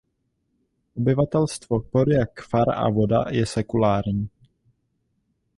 Obyvatelstvo Porija Kfar Avoda je sekulární.